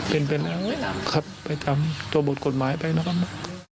เป็นครับไปตามตัวบทกฎหมายไปนะครับ